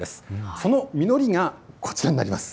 その実りがこちらになります。